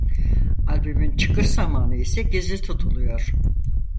Albümün çıkış zamanı ise gizli tutuluyor.